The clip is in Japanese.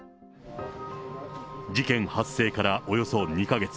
事件発生からおよそ２か月。